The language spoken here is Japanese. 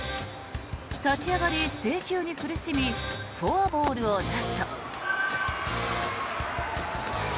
立ち上がり、制球に苦しみフォアボールを出すと。